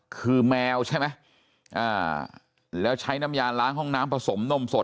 คือแมวใช่ไหมอ่าแล้วใช้น้ำยาล้างห้องน้ำผสมนมสด